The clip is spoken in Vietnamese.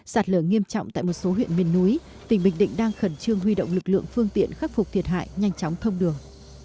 sạt lở nghiêm trọng tại một số huyện miền núi tỉnh bình định đang khẩn trương huy động lực lượng phương tiện khắc phục thiệt hại nhanh chóng thông đường